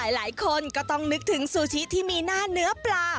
หลายคนก็ต้องนึกถึงซูชิที่มีหน้าเนื้อปลา